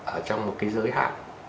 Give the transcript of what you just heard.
ở trong một cái giới hạn